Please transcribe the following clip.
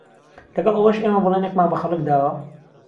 لەگەڵ ئەوەش ئێمە بەڵێنێکمان بە خەڵک داوە